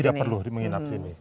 tidak perlu menginap sini